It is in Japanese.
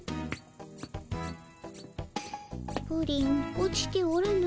プリン落ちておらぬの。